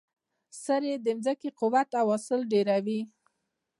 سرې د ځمکې قوت او حاصل ډیروي.